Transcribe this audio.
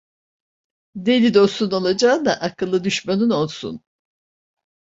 Deli dostun olacağına akıllı düşmanın olsun.